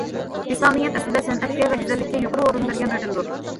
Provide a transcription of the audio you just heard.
ئىسلامىيەت ئەسلىدە سەنئەتكە ۋە گۈزەللىككە يۇقىرى ئورۇن بەرگەن بىر دىندۇر.